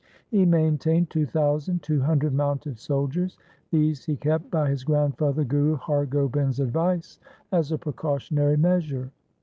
He maintained two thousand two hundred mounted soldiers. These he kept by his grandfather Guru Har Gobind's advice as a precautionary measure.